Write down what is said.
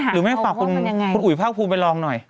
หรือไม่ฝากคุณอุ๋ยภาคภูมิไปลองหน่อย